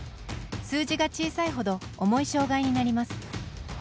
数字が小さいほど重い障がいになります。